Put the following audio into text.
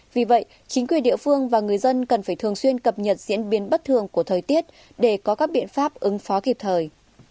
vì vậy chính quyền địa phương và người dân cần phải thường xuyên cập nhật diễn biến bất thường của thời tiết để có các biện pháp ứng phó kịp thời